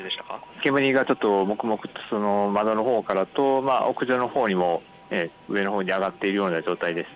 煙がもくもくと窓のほうからと屋上のほうにも、上のほうに上がっているような状態でした。